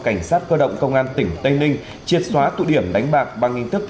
cảnh sát cơ động công an tỉnh tây ninh triệt xóa tụ điểm đánh bạc bằng hình thức